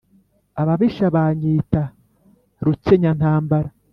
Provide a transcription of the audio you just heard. Ababisha banyita Rukenyantambara.